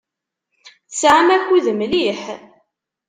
Tesɛam akud mliḥ.